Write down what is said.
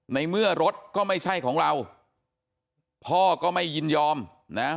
ในเมื่อรถก็ไม่ใช่ของเราพ่อก็ไม่ยินยอมนะ